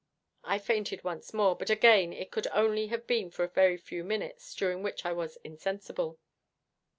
I fainted once more, but again it could only have been for a very few minutes during which I was insensible.